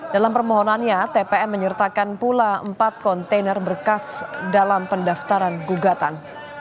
dalam permohonannya tpm menyertakan pula empat kontainer berkas dalam pendaftaran gugatan